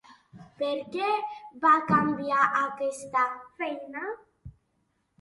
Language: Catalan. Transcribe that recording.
Per què va canviar aquesta feina?